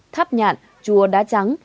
tháp nhạn chùa đá trắng